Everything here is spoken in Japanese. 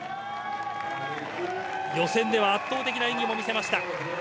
予選では圧倒的な演技も見せました。